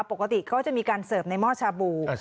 ปกติเขาจะมีการเสิร์ฟในหม้อชาบู